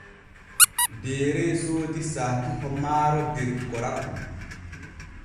Deere soodi saakiho maaro der Koraku.